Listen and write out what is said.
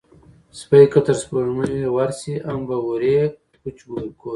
سپى که تر سپوږمۍ ورشي، هم به اوري کوچ کورې